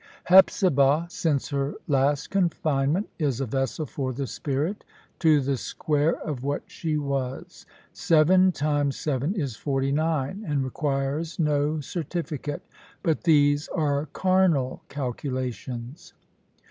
Hepzibah, since her last confinement, is a vessel for the Spirit to the square of what she was. Seven times seven is forty nine, and requires no certificate. But these are carnal calculations."